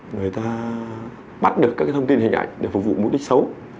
người ta bắt được các thông tin hình ảnh để phục vụ mục đích xấu